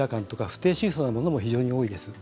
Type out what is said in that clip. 不定愁訴なども非常に多いです。